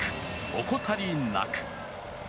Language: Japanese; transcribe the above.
怠りなく。